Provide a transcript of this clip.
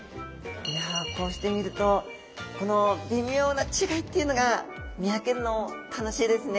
いやこうして見るとこの微妙な違いっていうのが見分けるの楽しいですね。